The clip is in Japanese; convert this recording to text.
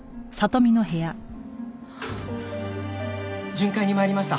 巡回に参りました。